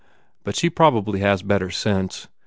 But she probably has better sense.